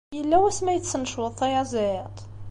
Yella wasmi ay tesnecweḍ tayaziḍt?